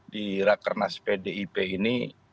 di rakernas pdip ini